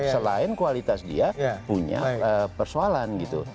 selain kualitas dia punya persoalan gitu